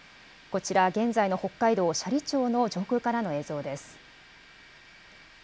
こちら、現在の北海道斜里町の上空からの映像です。